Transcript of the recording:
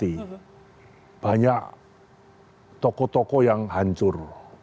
listrik mati banyak toko toko yang hancur